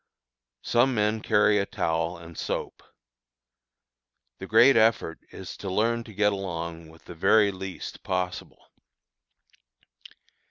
Some men carry a towel and soap. The great effort is to learn to get along with the very least possible.